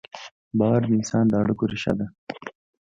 باور د انسان د اړیکو ریښه ده.